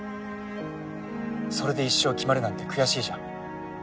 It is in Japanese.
それで一生決まるなんて悔しいじゃん。